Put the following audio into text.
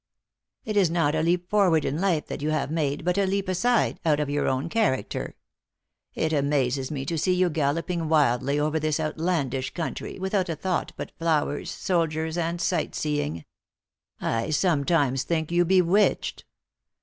" It is not a leap forward in life that you have made, but a leap aside, out of your own character. It amazes me to see you galloping wildly over this outlandish country, without a thought but flowers, soldiers, and sightseeing. I sometimes think you be witched."